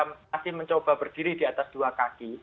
masih mencoba berdiri di atas dua kaki